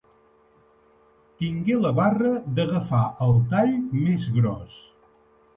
Tingué la barra d'agafar el tall més gros.